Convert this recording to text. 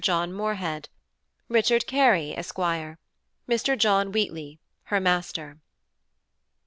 John Moorhead, Richard Carey, Esq; | Mr. John Wheat ey, her Master.